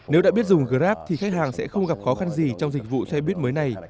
nếu đã biết dùng grab thì khách hàng sẽ không gặp khó khăn gì trong dịch vụ xe buýt mới này